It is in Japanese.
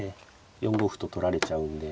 ４五歩と取られちゃうんで。